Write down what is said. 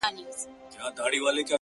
زه د بـلا سـره خـبري كـوم؛